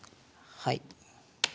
はい。